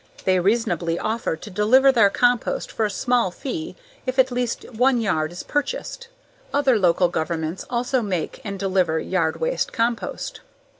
They reasonably offer to deliver their compost for a small fee if at least one yard is purchased. Other local governments also make and deliver yard waste compost.